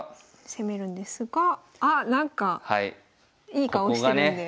攻めるんですがあなんかいい顔してるんで。